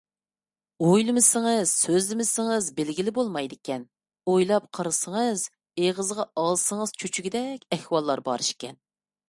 ئويلىمىسىڭىز، سۆزلىمىسىڭىز بىلگىلى بولمايدىكەن، ئويلاپ قارىسىڭىز، ئېغىزغا ئالسىڭىز چۆچۈگىدەك ئەھۋاللار بار ئىكەن.